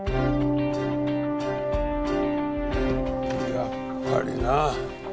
やっぱりな。